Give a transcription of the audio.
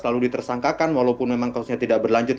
lalu ditersangkakan walaupun memang kasusnya tidak berlanjut